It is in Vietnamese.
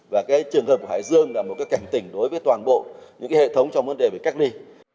và trường hợp của hải dương là một cảnh tỉnh đối với toàn bộ những hệ thống trong vấn đề cách ly